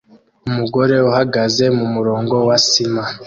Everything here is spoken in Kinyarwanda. Umugore uhagaze mumurongo wa sima